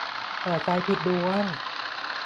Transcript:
เปิดไฟผิดดวง